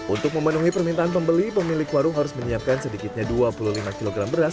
untuk memenuhi permintaan pembeli pemilik warung harus menyiapkan sedikitnya dua puluh lima kg beras